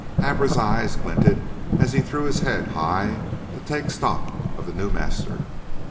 Abra's eyes glinted as he threw his head high to take stock of the new master.